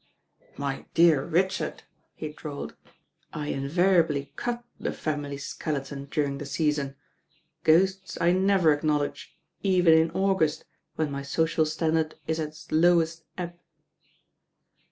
"My dear Richard," he drawled, "I invariably cut the family skeleton during the Season. Ghosts I never acknowledge, even in August, when my social standard is at its lowest ebb."